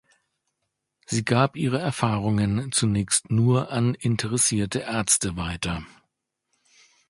Sie gab ihre Erfahrungen zunächst nur an interessierte Ärzte weiter.